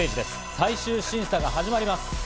最終審査が始まります。